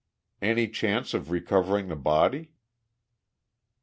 "Any chance of recovering the body?"